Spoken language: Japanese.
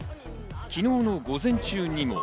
昨日の午前中にも。